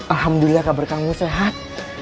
alhamdulillah kabar kamu sehat